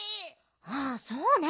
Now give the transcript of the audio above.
ああそうね。